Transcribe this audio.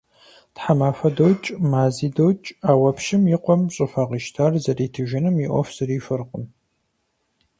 Тхьэмахуэ докӀ, мази докӀ, ауэ пщым и къуэм щӀыхуэ къищтар зэритыжыным и Ӏуэху зэрихуэркъым.